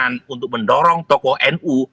muncul pemikiran untuk mendorong toko nu